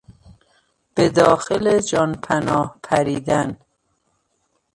به داخل جانپناه پریدن